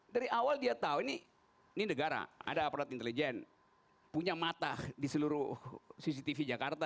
dari awal dia tahu ini negara ada aparat intelijen punya mata di seluruh cctv jakarta